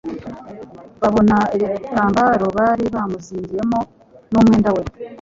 Babona ibitambaro bari bamuzingiyemo n'umwenda we